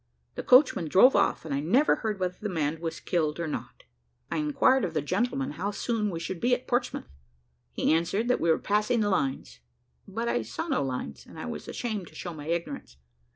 The coachman drove off, and I never heard whether the man was killed or not. I inquired of the gentleman how soon we should be at Portsmouth; he answered that we were passing the lines; but I saw no lines, and I was ashamed to show my ignorance.